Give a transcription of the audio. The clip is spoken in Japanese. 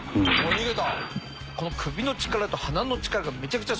逃げた！